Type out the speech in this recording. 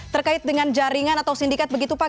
terkait dengan jaringan atau sindikat begitu pak